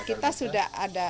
kita sudah ada